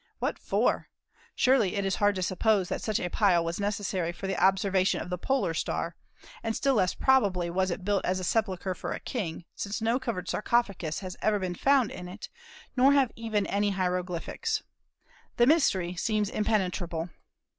What for? Surely it is hard to suppose that such a pile was necessary for the observation of the polar star; and still less probably was it built as a sepulchre for a king, since no covered sarcophagus has ever been found in it, nor have even any hieroglyphics. The mystery seems impenetrable.